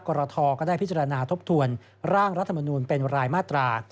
กรทก็ได้พิจารณาทบทวนร่างรัฐมนูลเป็นรายมาตรา